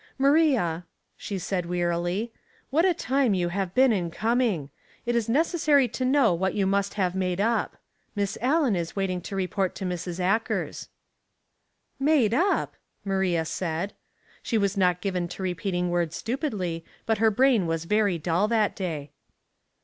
" Maria," she said, wearily, " what a time you have been in coming. It is necessary to know what you must have made up. Miss Allen is waiting; to report to Mrs. Akers." Mourning and Dressmaking, 93 " Made up !'* Maria said. Slie was not given fco repeating words stupidly, but her brain was very dull that day.